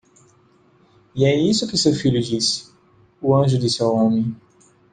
"E é isso que seu filho disse," o anjo disse ao homem.